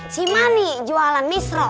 si mani jualan nisro